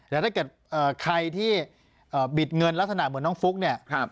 แล้วถ้าเกิดใครที่บิดเงินลักษณะเหมือนน้องฟุ๊กเนี่ย